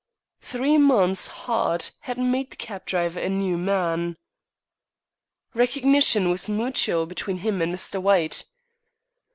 Three months "hard" had made the cab driver a new man. Recognition was mutual between him and Mr. White.